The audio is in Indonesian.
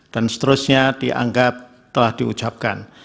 dan seterusnya dianggap telah diucapkan